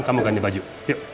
kamu ganti baju yuk